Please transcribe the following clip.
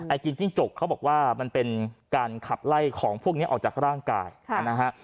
กินจิ้งจกเขาบอกว่ามันเป็นการขับไล่ของพวกนี้ออกจากร่างกายนะฮะ